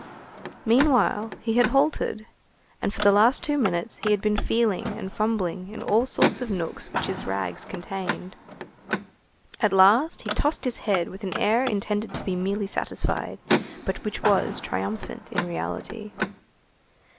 Meanwhile he had halted, and for the last two minutes he had been feeling and fumbling in all sorts of nooks which his rags contained. At last he tossed his head with an air intended to be merely satisfied, but which was triumphant, in reality.